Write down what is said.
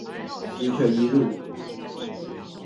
十全一路